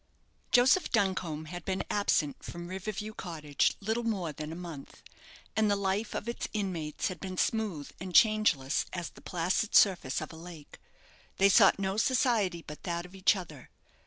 Joseph Duncombe had been absent from River View Cottage little more than a month, and the life of its inmates had been smooth and changeless as the placid surface of a lake. They sought no society but that of each other.